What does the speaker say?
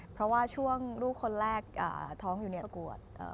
เพราะว่าช่วงลูกคนแรกท้องอยู่เนี่ยปวด